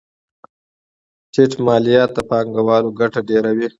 ټیټ مالیات د پانګوالو ګټه ډېروي.